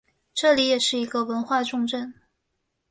这里也是一个文化重镇。